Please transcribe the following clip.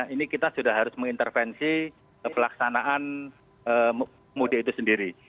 ini kita sudah harus mengintervensi pelaksanaan mudik itu sendiri